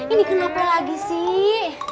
ini kenapa lagi sih